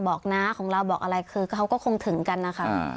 น้าของเราบอกอะไรคือเขาก็คงถึงกันนะคะ